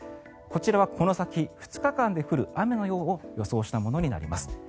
こちらはこの先２日間で降る雨の量を予想したものになります。